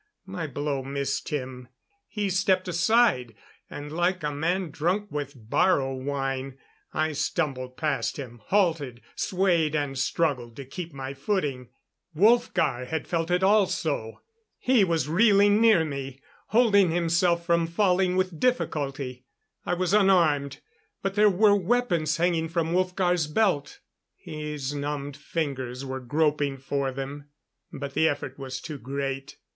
My blow missed him; he stepped aside; and like a man drunk with baro wine, I stumbled past him, halted, swayed and struggled to keep my footing. Wolfgar had felt it also; he was reeling near me, holding himself from falling with difficulty. I was unarmed; but there were weapons hanging from Wolfgar's belt. His numbed fingers were groping for them. But the effort was too great.